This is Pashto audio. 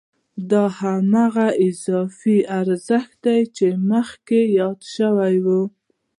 دا هماغه اضافي ارزښت دی چې مخکې یاد شو